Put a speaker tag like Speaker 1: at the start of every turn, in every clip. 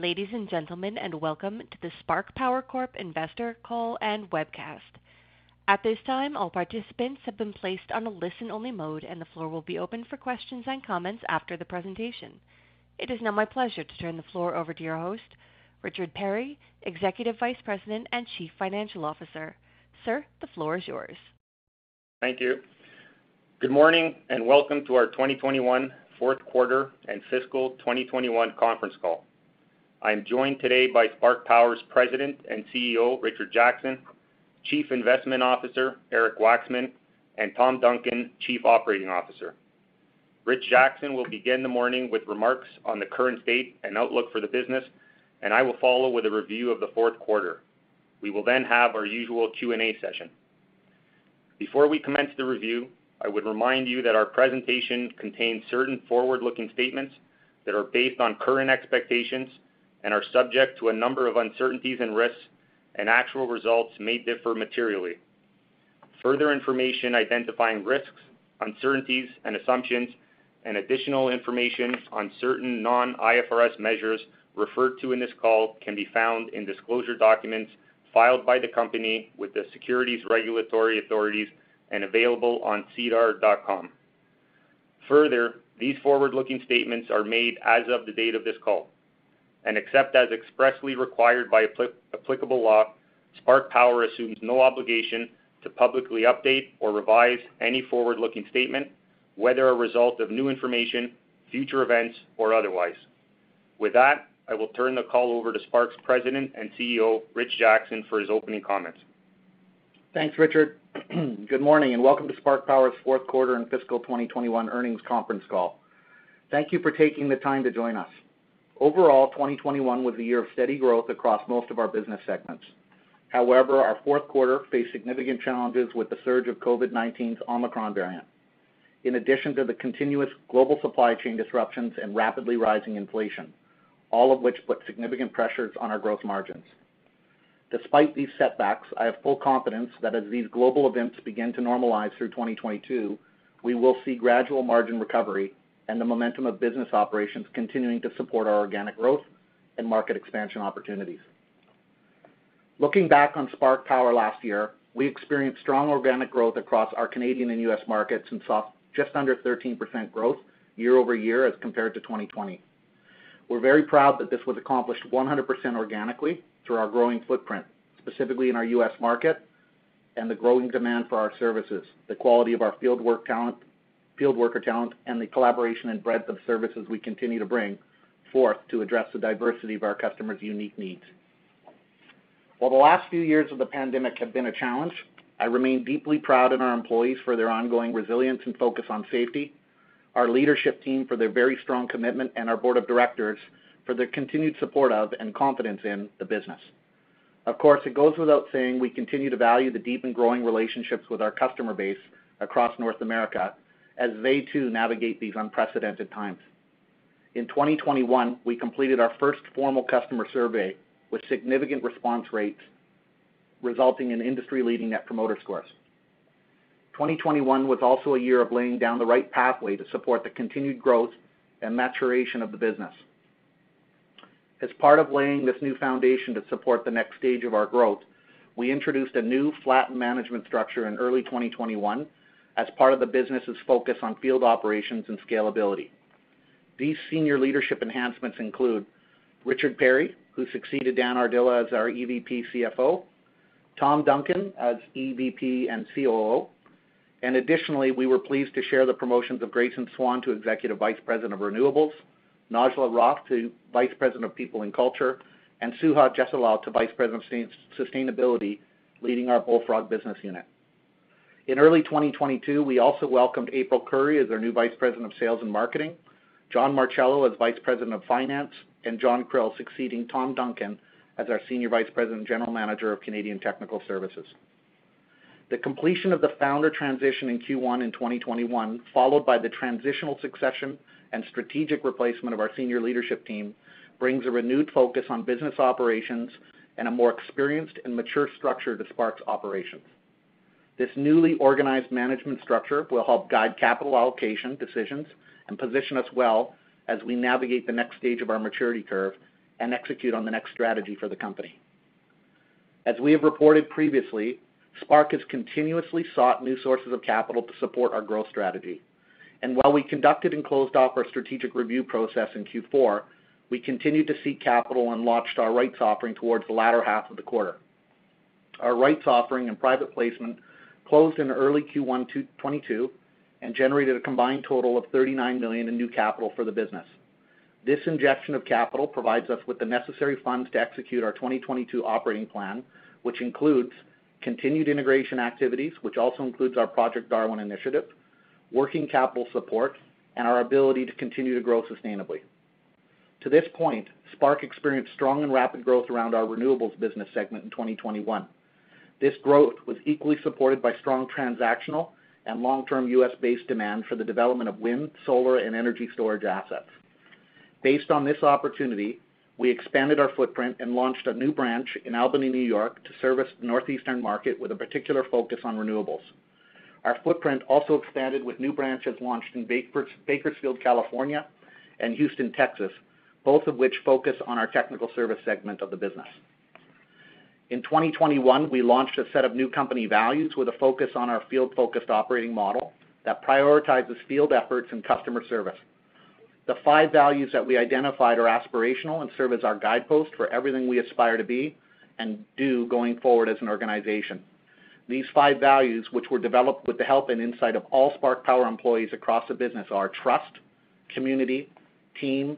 Speaker 1: Ladies and gentlemen, welcome to the Spark Power Corp Investor Call and Webcast. At this time, all participants have been placed on a listen-only mode, and the floor will be open for questions and comments after the presentation. It is now my pleasure to turn the floor over to your host, Richard Perry, Executive Vice President and Chief Financial Officer. Sir, the floor is yours.
Speaker 2: Thank you. Good morning, and welcome to our 2021 fourth quarter and fiscal 2021 conference call. I'm joined today by Spark Power's President and CEO, Rich Jackson; Chief Investment Officer, Eric Waksman; and Tom Duncan, Chief Operating Officer. Rich Jackson will begin the morning with remarks on the current state and outlook for the business, and I will follow with a review of the fourth quarter. We will then have our usual Q&A session. Before we commence the review, I would remind you that our presentation contains certain forward-looking statements that are based on current expectations and are subject to a number of uncertainties and risks, and actual results may differ materially. Further information identifying risks, uncertainties, and assumptions, and additional information on certain non-IFRS measures referred to in this call can be found in disclosure documents filed by the company with the securities regulatory authorities and available on sedar.com. Further, these forward-looking statements are made as of the date of this call, and except as expressly required by applicable law, Spark Power assumes no obligation to publicly update or revise any forward-looking statement, whether as a result of new information, future events, or otherwise. With that, I will turn the call over to Spark's President and CEO, Rich Jackson, for his opening comments.
Speaker 3: Thanks, Richard. Good morning, and welcome to Spark Power's fourth quarter and fiscal 2021 earnings conference call. Thank you for taking the time to join us. Overall, 2021 was a year of steady growth across most of our business segments. However, our fourth quarter faced significant challenges with the surge of COVID-19's Omicron variant, in addition to the continuous global supply chain disruptions and rapidly rising inflation, all of which put significant pressures on our growth margins. Despite these setbacks, I have full confidence that as these global events begin to normalize through 2022, we will see gradual margin recovery and the momentum of business operations continuing to support our organic growth and market expansion opportunities. Looking back on Spark Power last year, we experienced strong organic growth across our Canadian and U.S. markets and saw just under 13% growth year-over-year as compared to 2020. We're very proud that this was accomplished 100% organically through our growing footprint, specifically in our U.S. market, and the growing demand for our services, the quality of our field worker talent, and the collaboration and breadth of services we continue to bring forth to address the diversity of our customers' unique needs. While the last few years of the pandemic have been a challenge, I remain deeply proud of our employees for their ongoing resilience and focus on safety, our leadership team for their very strong commitment, and our board of directors for their continued support of and confidence in the business. Of course, it goes without saying we continue to value the deep and growing relationships with our customer base across North America as they too navigate these unprecedented times. In 2021, we completed our first formal customer survey with significant response rates, resulting in industry-leading net promoter scores. 2021 was also a year of laying down the right pathway to support the continued growth and maturation of the business. As part of laying this new foundation to support the next stage of our growth, we introduced a new flattened management structure in early 2021 as part of the business's focus on field operations and scalability. These senior leadership enhancements include Richard Perry, who succeeded Dan Ardila as our EVP & CFO, Tom Duncan as EVP and COO, and additionally, we were pleased to share the promotions of Grayson Swan to Executive Vice President of Renewables, Najla Rock to Vice President of People and Culture, and Suha Jesalal to Vice President of Sustainability, leading our Bullfrog business unit. In early 2022, we also welcomed April Curry as our new Vice President of Sales and Marketing, John Marcello as Vice President of Finance, and John Krill succeeding Tom Duncan as our Senior Vice President and General Manager of Canadian Technical Services. The completion of the founder transition in Q1 in 2021, followed by the transitional succession and strategic replacement of our senior leadership team, brings a renewed focus on business operations and a more experienced and mature structure to Spark's operations. This newly organized management structure will help guide capital allocation decisions and position us well as we navigate the next stage of our maturity curve and execute on the next strategy for the company. As we have reported previously, Spark has continuously sought new sources of capital to support our growth strategy. While we conducted and closed off our strategic review process in Q4, we continued to seek capital and launched our rights offering towards the latter half of the quarter. Our rights offering and private placement closed in early Q1 2022 and generated a combined total of 39 million in new capital for the business. This injection of capital provides us with the necessary funds to execute our 2022 operating plan, which includes continued integration activities, which also includes our Project Darwin initiative, working capital support, and our ability to continue to grow sustainably. To this point, Spark experienced strong and rapid growth around our renewables business segment in 2021. This growth was equally supported by strong transactional and long-term U.S.-based demand for the development of wind, solar, and energy storage assets. Based on this opportunity, we expanded our footprint and launched a new branch in Albany, New York, to service Northeastern market with a particular focus on renewables. Our footprint also expanded with new branches launched in Bakersfield, California and Houston, Texas, both of which focus on our technical service segment of the business. In 2021, we launched a set of new company values with a focus on our field-focused operating model that prioritizes field efforts and customer service. The five values that we identified are aspirational and serve as our guideposts for everything we aspire to be and do going forward as an organization. These five values, which were developed with the help and insight of all Spark Power employees across the business, are trust, community, team,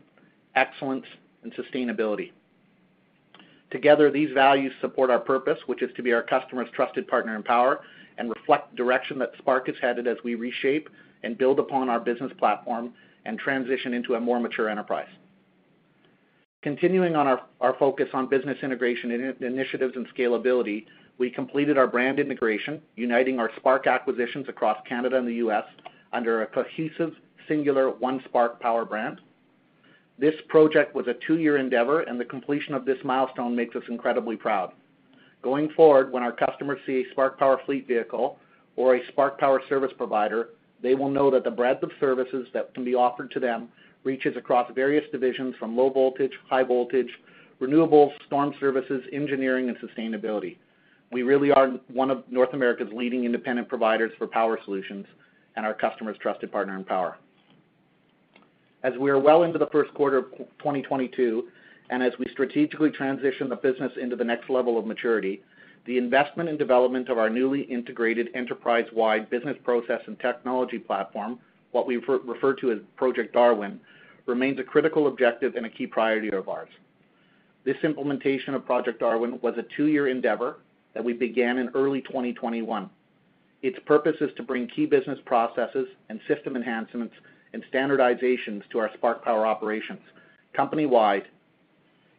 Speaker 3: excellence, and sustainability. Together, these values support our purpose, which is to be our customers' trusted partner in power and reflect the direction that Spark is headed as we reshape and build upon our business platform and transition into a more mature enterprise. Continuing on our focus on business integration initiatives and scalability, we completed our brand integration, uniting our Spark acquisitions across Canada and the U.S. under a cohesive, singular One Spark Power brand. This project was a two-year endeavor, and the completion of this milestone makes us incredibly proud. Going forward, when our customers see a Spark Power fleet vehicle or a Spark Power service provider, they will know that the breadth of services that can be offered to them reaches across various divisions from low voltage, high voltage, renewables, storm services, engineering, and sustainability. We really are one of North America's leading independent providers for power solutions and our customers' trusted partner in power. As we are well into the first quarter of 2022, and as we strategically transition the business into the next level of maturity, the investment and development of our newly integrated enterprise-wide business process and technology platform, what we refer to as Project Darwin, remains a critical objective and a key priority of ours. This implementation of Project Darwin was a two-year endeavor that we began in early 2021. Its purpose is to bring key business processes and system enhancements and standardizations to our Spark Power operations company-wide.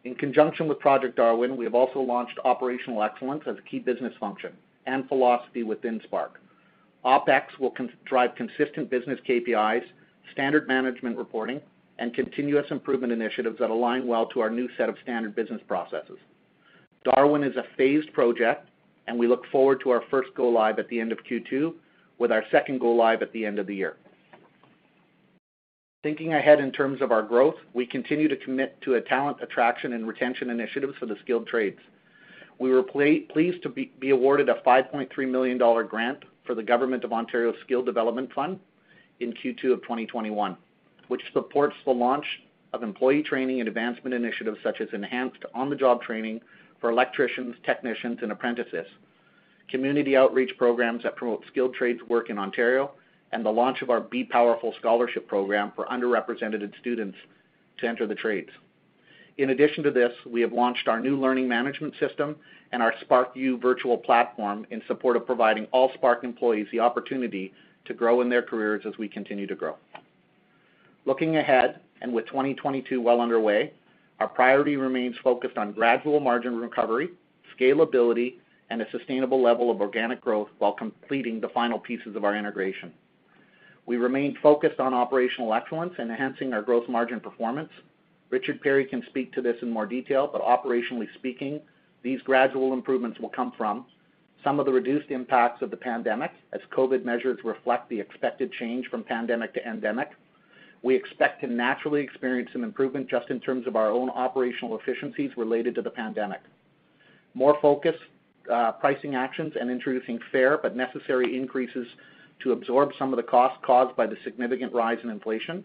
Speaker 3: In conjunction with Project Darwin, we have also launched operational excellence as a key business function and philosophy within Spark. OPEX will drive consistent business KPIs, standard management reporting, and continuous improvement initiatives that align well to our new set of standard business processes. Darwin is a phased project, and we look forward to our first go-live at the end of Q2, with our second go-live at the end of the year. Thinking ahead in terms of our growth, we continue to commit to a talent attraction and retention initiatives for the skilled trades. We were pleased to be awarded a 5.3 million dollar grant for the Government of Ontario's Skills Development Fund in Q2 of 2021, which supports the launch of employee training and advancement initiatives such as enhanced on-the-job training for electricians, technicians, and apprentices, community outreach programs that promote skilled trades work in Ontario, and the launch of our Be Powerful scholarship program for underrepresented students to enter the trades. In addition to this, we have launched our new learning management system and our SparkU virtual platform in support of providing all Spark employees the opportunity to grow in their careers as we continue to grow. Looking ahead, and with 2022 well underway, our priority remains focused on gradual margin recovery, scalability, and a sustainable level of organic growth while completing the final pieces of our integration. We remain focused on operational excellence and enhancing our growth margin performance. Richard Perry can speak to this in more detail, but operationally speaking, these gradual improvements will come from some of the reduced impacts of the pandemic as COVID measures reflect the expected change from pandemic to endemic. We expect to naturally experience some improvement just in terms of our own operational efficiencies related to the pandemic, more focused pricing actions and introducing fair but necessary increases to absorb some of the costs caused by the significant rise in inflation.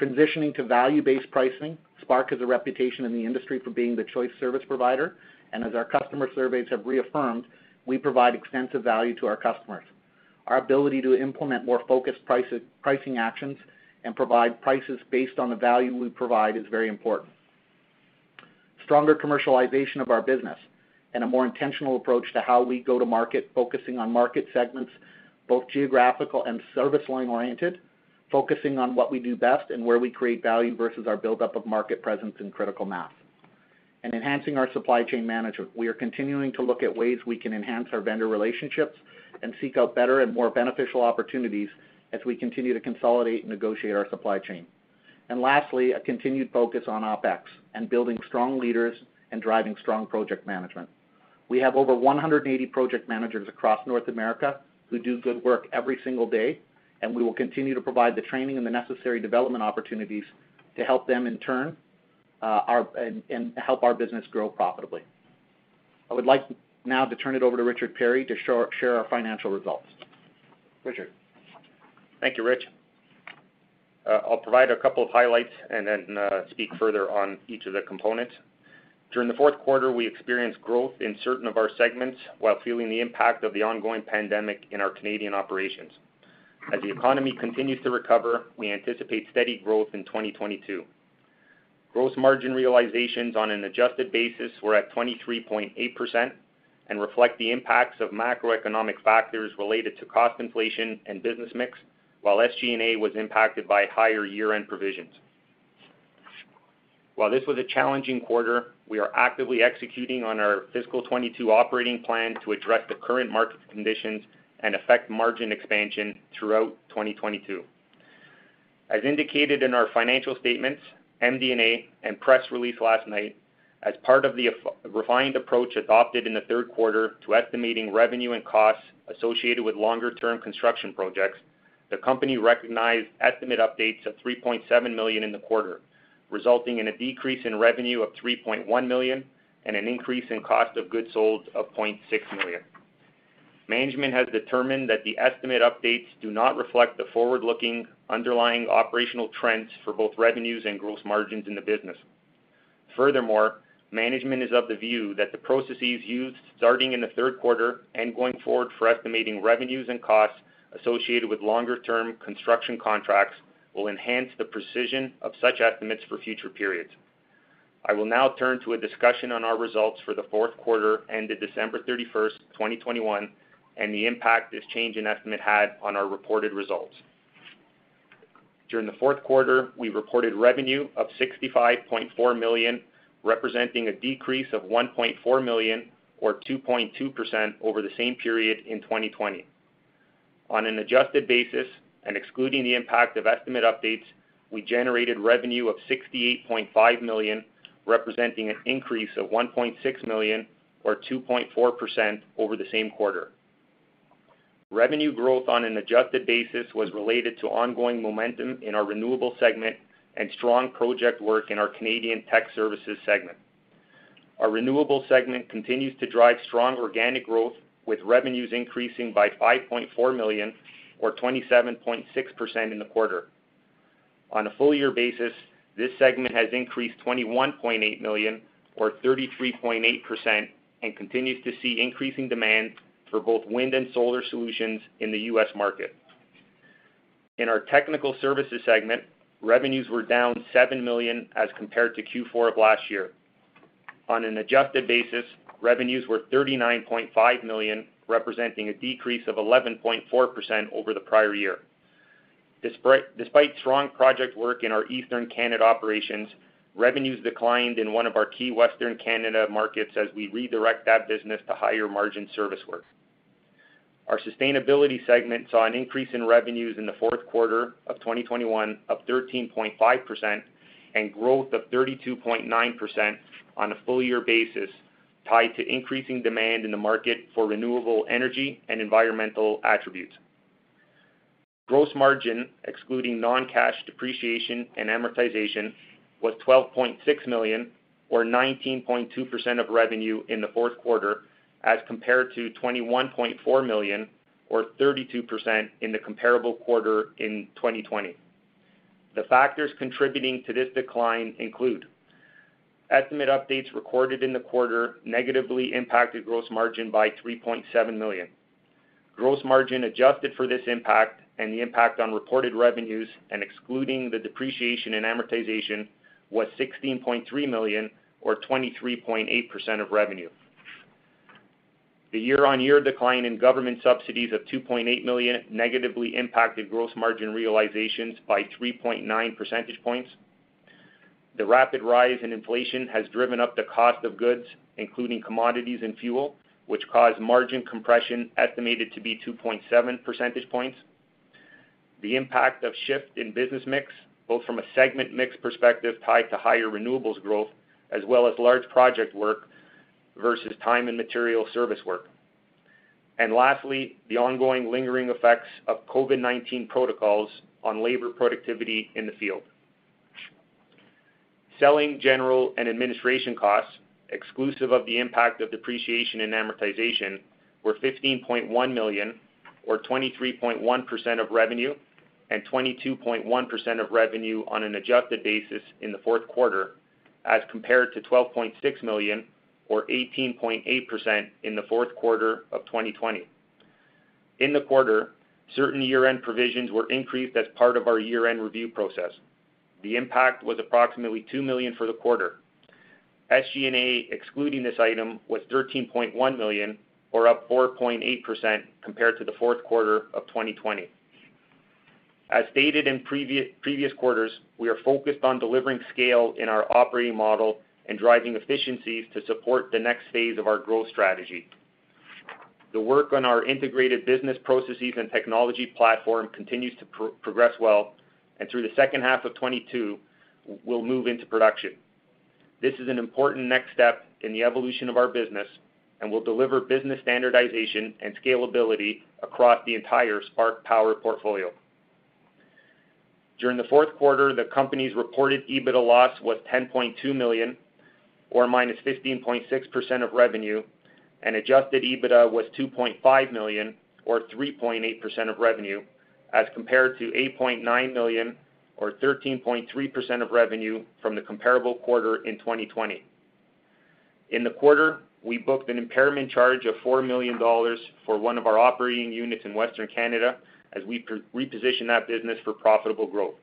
Speaker 3: Transitioning to value-based pricing. Spark has a reputation in the industry for being the choice service provider, and as our customer surveys have reaffirmed, we provide extensive value to our customers. Our ability to implement more focused pricing actions and provide prices based on the value we provide is very important. Stronger commercialization of our business and a more intentional approach to how we go to market, focusing on market segments, both geographical and service line-oriented, focusing on what we do best and where we create value versus our buildup of market presence and critical mass. Enhancing our supply chain management. We are continuing to look at ways we can enhance our vendor relationships and seek out better and more beneficial opportunities as we continue to consolidate and negotiate our supply chain. Lastly, a continued focus on OPEX and building strong leaders and driving strong project management. We have over 180 project managers across North America who do good work every single day, and we will continue to provide the training and the necessary development opportunities to help them in turn, and help our business grow profitably. I would like now to turn it over to Richard Perry to share our financial results. Richard?
Speaker 2: Thank you, Rich. I'll provide a couple of highlights and then speak further on each of the components. During the fourth quarter, we experienced growth in certain of our segments while feeling the impact of the ongoing pandemic in our Canadian operations. As the economy continues to recover, we anticipate steady growth in 2022. Gross margin realizations on an adjusted basis were at 23.8% and reflect the impacts of macroeconomic factors related to cost inflation and business mix, while SG&A was impacted by higher year-end provisions. While this was a challenging quarter, we are actively executing on our fiscal 2022 operating plan to address the current market conditions and effect margin expansion throughout 2022. As indicated in our financial statements, MD&A, and press release last night, as part of the refined approach adopted in the third quarter to estimating revenue and costs associated with longer-term construction projects, the company recognized estimate updates of 3.7 million in the quarter, resulting in a decrease in revenue of 3.1 million and an increase in cost of goods sold of 0.6 million. Management has determined that the estimate updates do not reflect the forward-looking underlying operational trends for both revenues and gross margins in the business. Furthermore, management is of the view that the processes used starting in the third quarter and going forward for estimating revenues and costs associated with longer-term construction contracts will enhance the precision of such estimates for future periods. I will now turn to a discussion on our results for the fourth quarter ended December 31, 2021, and the impact this change in estimate had on our reported results. During the fourth quarter, we reported revenue of 65.4 million, representing a decrease of 1.4 million or 2.2% over the same period in 2020. On an adjusted basis and excluding the impact of estimate updates, we generated revenue of 68.5 million, representing an increase of 1.6 million or 2.4% over the same quarter. Revenue growth on an adjusted basis was related to ongoing momentum in our renewables segment and strong project work in our Canadian Tech Services segment. Our renewables segment continues to drive strong organic growth, with revenues increasing by 5.4 million or 27.6% in the quarter. On a full year basis, this segment has increased 21.8 million or 33.8% and continues to see increasing demand for both wind and solar solutions in the U.S. market. In our technical services segment, revenues were down 7 million as compared to Q4 of last year. On an adjusted basis, revenues were 39.5 million, representing a decrease of 11.4% over the prior year. Despite strong project work in our Eastern Canada operations, revenues declined in one of our key Western Canada markets as we redirect that business to higher margin service work. Our sustainability segment saw an increase in revenues in the fourth quarter of 2021 of 13.5% and growth of 32.9% on a full year basis, tied to increasing demand in the market for renewable energy and environmental attributes. Gross margin, excluding non-cash depreciation and amortization, was 12.6 million or 19.2% of revenue in the fourth quarter as compared to 21.4 million or 32% in the comparable quarter in 2020. The factors contributing to this decline include estimate updates recorded in the quarter negatively impacted gross margin by 3.7 million. Gross margin adjusted for this impact and the impact on reported revenues and excluding the depreciation and amortization was 16.3 million or 23.8% of revenue. The year-over-year decline in government subsidies of 2.8 million negatively impacted gross margin realizations by 3.9 percentage points. The rapid rise in inflation has driven up the cost of goods, including commodities and fuel, which caused margin compression estimated to be 2.7 percentage points. The impact of the shift in business mix, both from a segment mix perspective tied to higher renewables growth as well as large project work versus time and material service work. Lastly, the ongoing lingering effects of COVID-19 protocols on labor productivity in the field. Selling, general, and administration costs exclusive of the impact of depreciation and amortization were 15.1 million or 23.1% of revenue and 22.1% of revenue on an adjusted basis in the fourth quarter as compared to 12.6 million or 18.8% in the fourth quarter of 2020. In the quarter, certain year-end provisions were increased as part of our year-end review process. The impact was approximately 2 million for the quarter. SG&A excluding this item was 13.1 million or up 4.8% compared to the fourth quarter of 2020. As stated in previous quarters, we are focused on delivering scale in our operating model and driving efficiencies to support the next phase of our growth strategy. The work on our integrated business processes and technology platform continues to progress well, and through the second half of 2022, will move into production. This is an important next step in the evolution of our business and will deliver business standardization and scalability across the entire Spark Power portfolio. During the fourth quarter, the company's reported EBITDA loss was 10.2 million or -15.6% of revenue, and adjusted EBITDA was 2.5 million or 3.8% of revenue as compared to 8.9 million or 13.3% of revenue from the comparable quarter in 2020. In the quarter, we booked an impairment charge of 4 million dollars for one of our operating units in Western Canada as we reposition that business for profitable growth.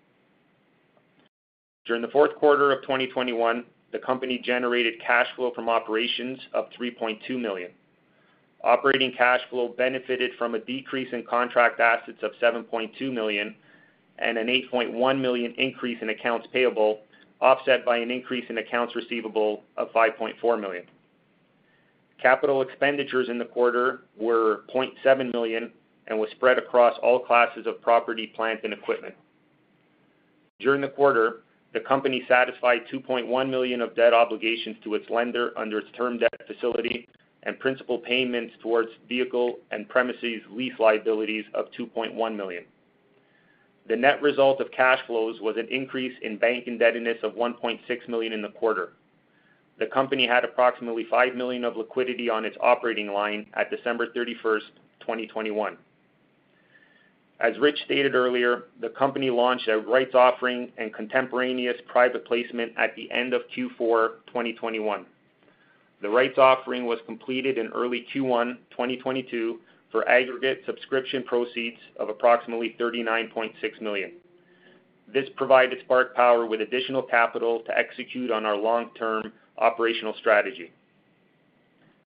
Speaker 2: During the fourth quarter of 2021, the company generated cash flow from operations of 3.2 million. Operating cash flow benefited from a decrease in contract assets of 7.2 million and an 8.1 million increase in accounts payable, offset by an increase in accounts receivable of 5.4 million. Capital expenditures in the quarter were 0.7 million and was spread across all classes of property, plant, and equipment. During the quarter, the company satisfied 2.1 million of debt obligations to its lender under its term debt facility and principal payments towards vehicle and premises lease liabilities of 2.1 million. The net result of cash flows was an increase in bank indebtedness of 1.6 million in the quarter. The company had approximately 5 million of liquidity on its operating line at December 31, 2021. As Rich stated earlier, the company launched a rights offering and contemporaneous private placement at the end of Q4 2021. The rights offering was completed in early Q1 2022 for aggregate subscription proceeds of approximately 39.6 million. This provided Spark Power with additional capital to execute on our long-term operational strategy.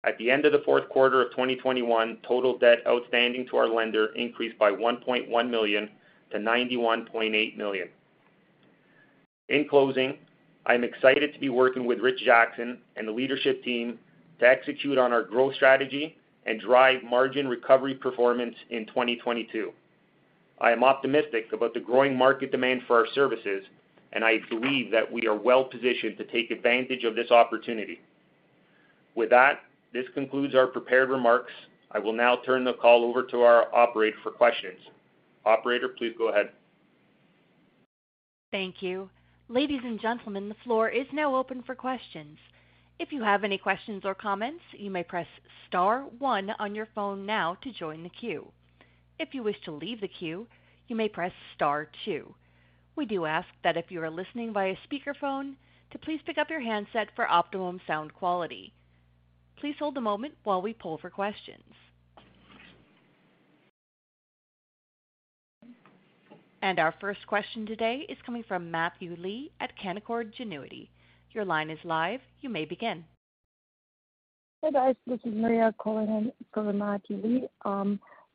Speaker 2: At the end of the fourth quarter of 2021, total debt outstanding to our lender increased by 1.1 million to 91.8 million. In closing, I'm excited to be working with Rich Jackson and the leadership team to execute on our growth strategy and drive margin recovery performance in 2022. I am optimistic about the growing market demand for our services, and I believe that we are well-positioned to take advantage of this opportunity. With that, this concludes our prepared remarks. I will now turn the call over to our operator for questions. Operator, please go ahead.
Speaker 1: Thank you. Ladies and gentlemen, the floor is now open for questions. If you have any questions or comments, you may press star one on your phone now to join the queue. If you wish to leave the queue, you may press star two. We do ask that if you are listening via speakerphone, to please pick up your handset for optimum sound quality. Please hold a moment while we poll for questions. Our first question today is coming from Matthew Lee at Canaccord Genuity. Your line is live. You may begin.
Speaker 4: Hey, guys. This is Maria calling in for Matthew Lee.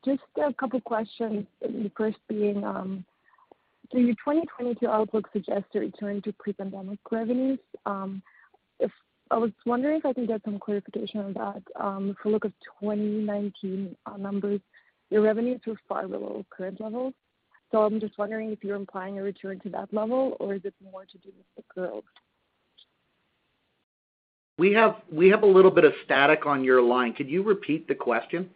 Speaker 4: Just a couple questions. The first being, your 2022 outlook suggests you're returning to pre-pandemic revenues. I was wondering if I can get some clarification on that. If we look at 2019 numbers, your revenues were far below current levels. I'm just wondering if you're implying a return to that level or is it more to do with the growth?
Speaker 3: We have a little bit of static on your line. Could you repeat the question?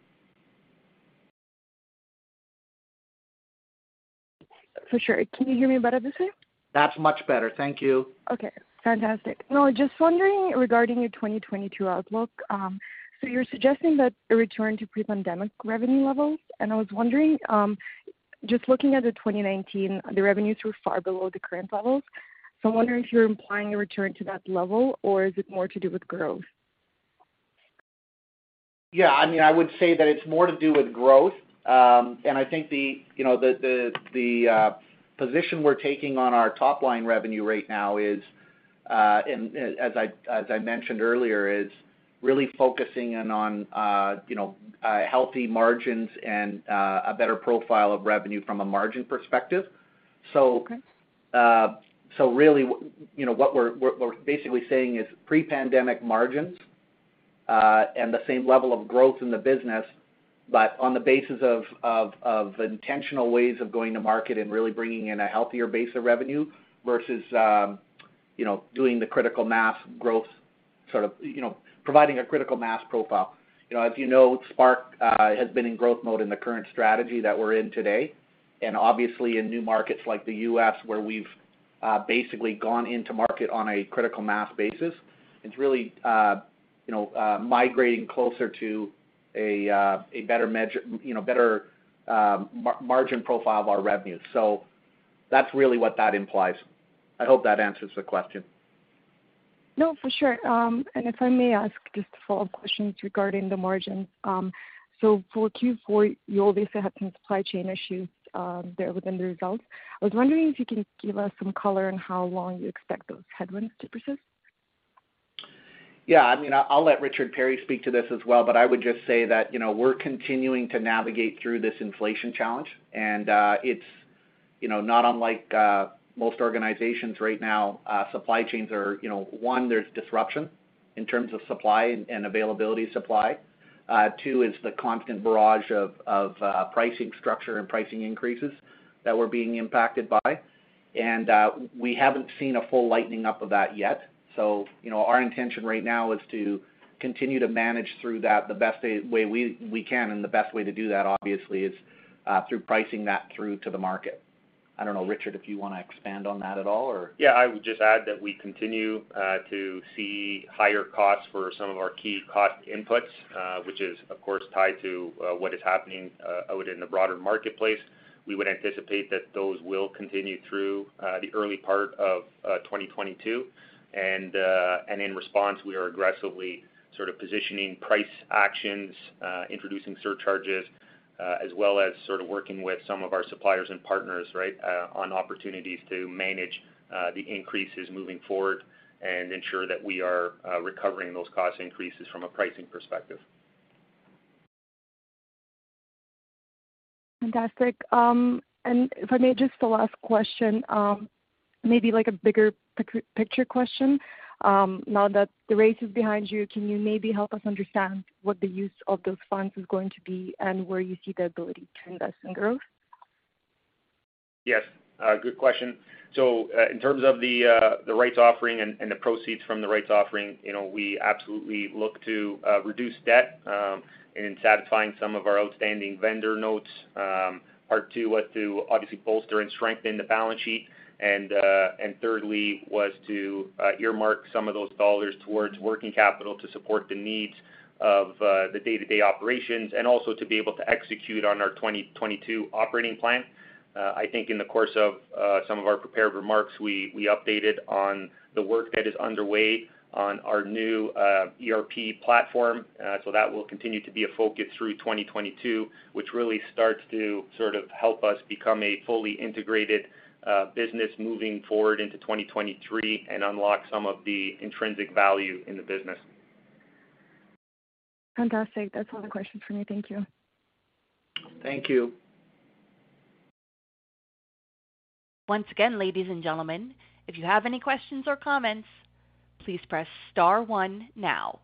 Speaker 4: For sure. Can you hear me better this way?
Speaker 3: That's much better. Thank you.
Speaker 4: Okay, fantastic. No, just wondering regarding your 2022 outlook. You're suggesting that a return to pre-pandemic revenue levels, and I was wondering, just looking at the 2019, the revenues were far below the current levels. I'm wondering if you're implying a return to that level or is it more to do with growth?
Speaker 3: Yeah, I mean, I would say that it's more to do with growth. I think the position we're taking on our top-line revenue right now is, as I mentioned earlier, really focusing in on, you know, healthy margins and a better profile of revenue from a margin perspective.
Speaker 4: Okay.
Speaker 3: Really, you know, what we're basically saying is pre-pandemic margins and the same level of growth in the business, but on the basis of intentional ways of going to market and really bringing in a healthier base of revenue versus, you know, doing the critical mass growth sort of you know, providing a critical mass profile. You know, as you know, Spark has been in growth mode in the current strategy that we're in today, and obviously in new markets like the U.S. where we've basically gone into market on a critical mass basis. It's really, you know, migrating closer to a better measure you know, better margin profile of our revenue. That's really what that implies. I hope that answers the question.
Speaker 4: No, for sure. If I may ask just a follow-up question regarding the margin. For Q4, you obviously had some supply chain issues there within the results. I was wondering if you can give us some color on how long you expect those headwinds to persist.
Speaker 3: Yeah. I mean, I'll let Richard Perry speak to this as well, but I would just say that, you know, we're continuing to navigate through this inflation challenge. It's, you know, not unlike most organizations right now, supply chains are, you know, one, there's disruption in terms of supply and availability of supply. Two is the constant barrage of pricing structure and pricing increases that we're being impacted by. We haven't seen a full letting up of that yet. You know, our intention right now is to continue to manage through that the best way we can and the best way to do that, obviously, is through passing that through to the market. I don't know, Richard, if you wanna expand on that at all, or...
Speaker 2: Yeah, I would just add that we continue to see higher costs for some of our key cost inputs, which is of course tied to what is happening out in the broader marketplace. We would anticipate that those will continue through the early part of 2022. In response, we are aggressively sort of positioning price actions, introducing surcharges, as well as sort of working with some of our suppliers and partners, right, on opportunities to manage the increases moving forward and ensure that we are recovering those cost increases from a pricing perspective.
Speaker 4: Fantastic. If I may just one last question, maybe like a bigger picture question. Now that the raise is behind you, can you maybe help us understand what the use of those funds is going to be and where you see the ability to invest in growth?
Speaker 2: Yes, good question. In terms of the rights offering and the proceeds from the rights offering, you know, we absolutely look to reduce debt in satisfying some of our outstanding vendor notes. Part two was to obviously bolster and strengthen the balance sheet and thirdly was to earmark some of those dollars towards working capital to support the needs of the day-to-day operations and also to be able to execute on our 2022 operating plan. I think in the course of some of our prepared remarks, we updated on the work that is underway on our new ERP platform. That will continue to be a focus through 2022, which really starts to sort of help us become a fully integrated business moving forward into 2023 and unlock some of the intrinsic value in the business.
Speaker 4: Fantastic. That's all the questions for me. Thank you.
Speaker 3: Thank you.
Speaker 1: Once again, ladies and gentlemen, if you have any questions or comments, please press star one now.